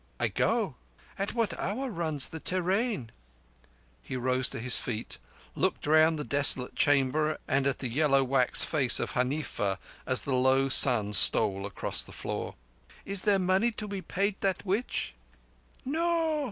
"I go. At what hour runs the te rain?" He rose to his feet, looked round the desolate chamber and at the yellow wax face of Huneefa as the low sun stole across the floor. "Is there money to be paid that witch?" "No.